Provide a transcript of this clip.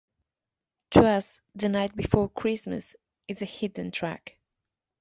"Twas the Night Before Christmas" is a hidden track.